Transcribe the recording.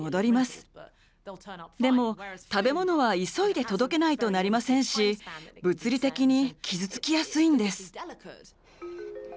でも食べ物は急いで届けないとなりませんし物理的に傷つきやすいんです。